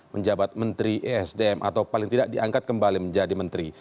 menjabat menteri esdm atau paling tidak diangkat kembali menjadi menteri